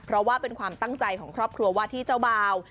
เพราะว่าเป็นความตั้งใจของครอบครัวว่าที่เจ้าบ่าว